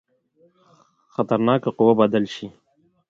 خطرناکه قوه بدل شي.